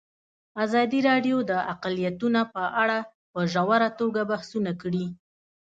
ازادي راډیو د اقلیتونه په اړه په ژوره توګه بحثونه کړي.